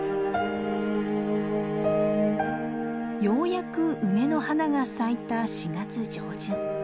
ようやく梅の花が咲いた４月上旬。